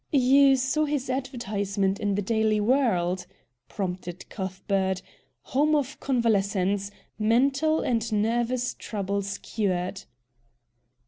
"You saw his advertisement in the DAILY WORLD," prompted Cuthbert. "'Home of convalescents; mental and nervous troubles cured.'"